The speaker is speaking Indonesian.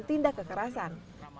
dan tindak kekerasan